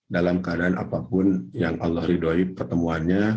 dalam keadaan apapun yang allah ridhoi pertemuannya